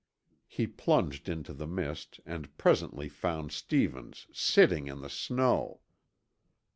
He plunged into the mist and presently found Stevens sitting in the snow.